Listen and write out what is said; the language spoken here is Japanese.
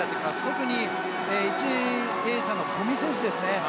特に第１泳者の五味選手ですね。